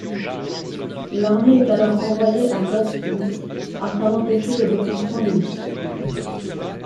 L'armée est alors envoyée à Goldfield afin d'empêcher le déclenchement d'émeutes.